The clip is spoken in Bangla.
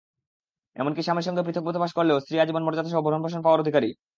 এমনকি স্বামীর সঙ্গে পৃথক বসবাস করলেও স্ত্রী আজীবন মর্যাদাসহ ভরন-পোষণ পাওয়ার অধিকারী।